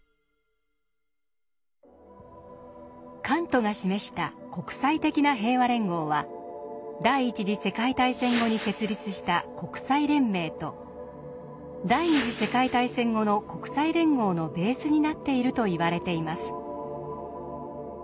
カントが示した「国際的な平和連合」は第一次世界大戦後に設立した国際連盟と第二次世界大戦後の国際連合のベースになっていると言われています。